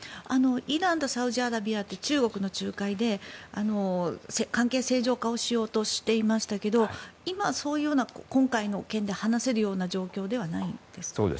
イランとサウジアラビアは中国の仲介で関係正常化をしようとしていましたけど今はそういうような今回の件で話せるような感じではないんですか？